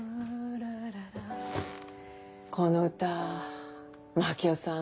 この歌真樹夫さん